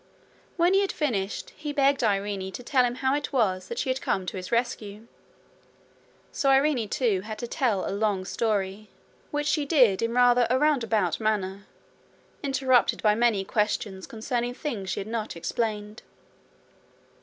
When he had finished, he begged Irene to tell him how it was that she had come to his rescue. So Irene too had to tell a long story, which she did in rather a roundabout manner, interrupted by many questions concerning things she had not explained.